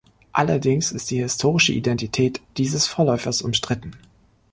Allerdings ist die historische Identität dieses Vorläufers umstritten.